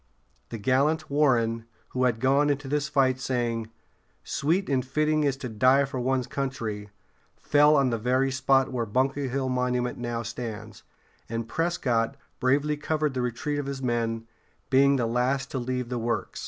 The gallant Warren, who had gone into this fight saying, "Sweet and fitting it is to die for one's country," fell on the very spot where Bunker Hill Monument how stands; and Prescott bravely covered the retreat of his men, being the last to leave the works.